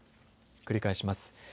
繰り返します。